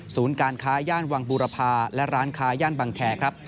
ศูนย์การค้าย่านวังบูรพาและร้านค้าย่านบังแข